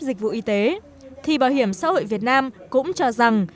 dịch vụ y tế thì bảo hiểm xã hội việt nam cũng cho rằng